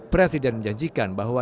presiden menjanjikan bahwa